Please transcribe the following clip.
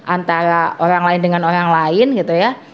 antara orang lain dengan orang lain gitu ya